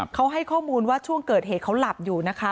เขาให้ข้อมูลว่าช่วงเกิดเหตุเขาหลับอยู่นะคะ